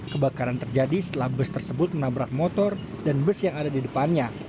kebakaran terjadi setelah bus tersebut menabrak motor dan bus yang ada di depannya